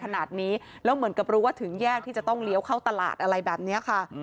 ขนาดนี้แล้วเหมือนกับรู้ว่าถึงแยกที่จะต้องเลี้ยวเข้าตลาดอะไรแบบนี้ค่ะ